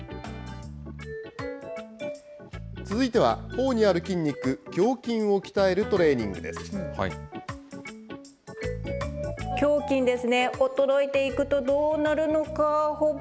続いてはほおにある筋肉、頬筋を鍛えるトレーニングです。